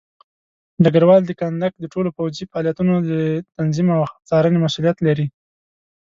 ډګروال د کندک د ټولو پوځي فعالیتونو د تنظیم او څارنې مسوولیت لري.